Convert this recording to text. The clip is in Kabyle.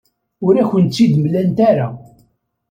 Ur akent-tt-id-mlant ara.